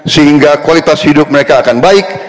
sehingga kualitas hidup mereka akan baik